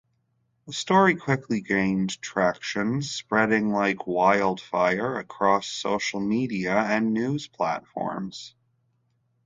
The story quickly gained traction, spreading like wildfire across social media and news platforms.